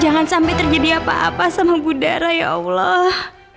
jangan sampai terjadi apa apa sama budara ya allah